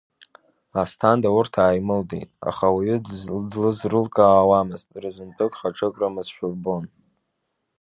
Асҭанда урҭ ааимылдеит, аха уаҩы длызрылкаауамызт, рызынтәык хаҿык рымазшәа лбон.